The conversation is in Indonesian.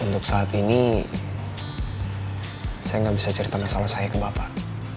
untuk saat ini saya nggak bisa cerita masalah saya ke bapak